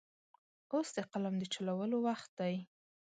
اوس د قلم د چلولو وخت دی.